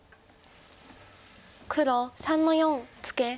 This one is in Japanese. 黒３の四ツケ。